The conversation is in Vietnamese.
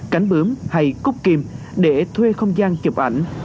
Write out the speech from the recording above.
cánh bướm hay cúc kim để thuê không gian chụp ảnh